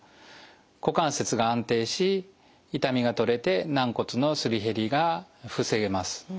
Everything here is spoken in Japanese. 股関節が安定し痛みが取れて軟骨のすり減りが防げます。